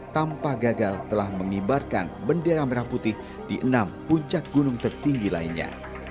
tanpa gagal telah mengibarkan bendera merah putih di enam puncak gunung tertinggi lainnya